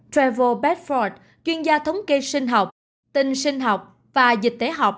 trevor bedford chuyên gia thống kê sinh học tình sinh học và dịch tế học